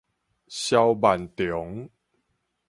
蕭萬長